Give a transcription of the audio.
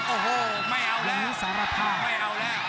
โอ้โหไม่เอาแล้วไม่เอาแล้ว